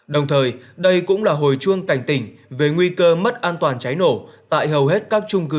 đồng thời đây cũng là hồi chuông cảnh tỉnh về nguy cơ mất an toàn cháy nổ tại hầu hết các trung cư